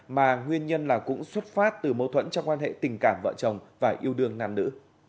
mà nguyên nhân là cũng xuất phát từ mâu thuẫn trong quan hệ tình cảm vợ chồng và yêu đương nam nữ